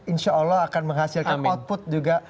insya allah akan menghasilkan output juga